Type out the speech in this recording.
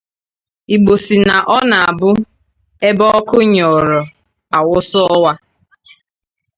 Igbo sị na ọ na-abụ ebe ọkụ nyụọrọ a wụsa ọwa